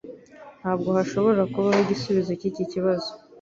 Ntabwo hashobora kubaho igisubizo cyiki kibazo